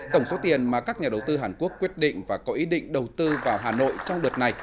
tổng số tiền mà các nhà đầu tư hàn quốc quyết định và có ý định đầu tư vào hà nội trong đợt này